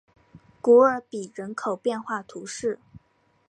古尔比人口变化图示